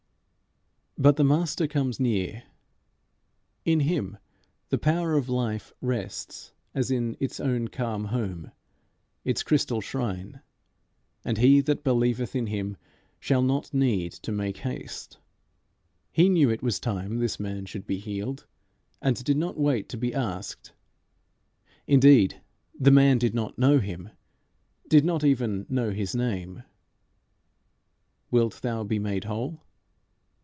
But the Master comes near. In him the power of life rests as in "its own calm home, its crystal shrine," and he that believeth in him shall not need to make haste. He knew it was time this man should be healed, and did not wait to be asked. Indeed the man did not know him; did not even know his name. "Wilt thou be made whole?"